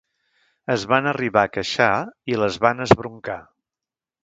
Es van arribar a queixar i les van esbroncar.